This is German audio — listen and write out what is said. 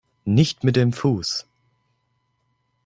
Nicht mit dem Fuß!